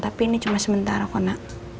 tapi ini cuma sementara kona